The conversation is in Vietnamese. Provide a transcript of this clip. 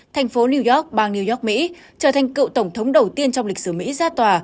thành phố new york bang new york mỹ trở thành cựu tổng thống đầu tiên trong lịch sử mỹ ra tòa